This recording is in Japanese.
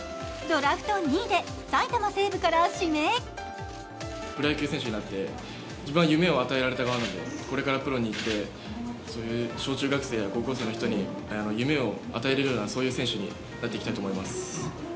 ドラフト２位で埼玉西武から指名プロ野球選手になって、自分は夢を与えられた側なのでこれからプロに行って、小中学生や高校生の人に夢を与えられるような、そういう選手になっていきたいと思います。